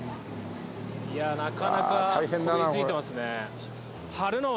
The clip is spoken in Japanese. いやなかなかこびりついてますね。